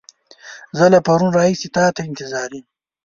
زه له پرون راهيسې تا ته انتظار يم.